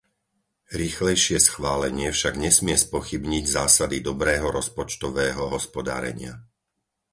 Rýchlejšie schválenie však nesmie spochybniť zásady dobrého rozpočtového hospodárenia.